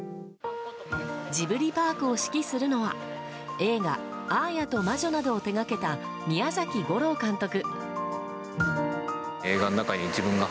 ジブリパークを指揮するのは映画「アーヤと魔女」などを手がけた宮崎吾朗監督。